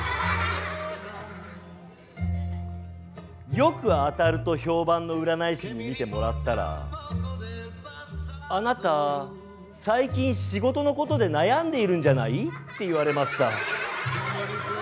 よく当たると評判の占い師にみてもらったら「あなた最近仕事のことで悩んでいるんじゃない？」って言われました。